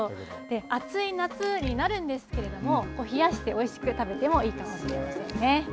暑い夏になるんですけれども冷やしておいしく食べてもいいと思います。